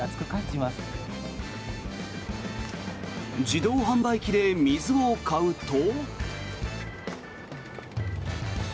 自動販売機で水を買うと。